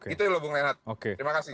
itu ya lho bung lenat terima kasih